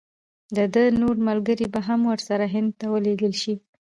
د ده نور ملګري به هم ورسره هند ته ولېږل شي.